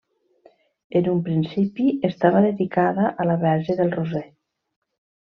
En un principi estava dedicada a la Verge del Roser.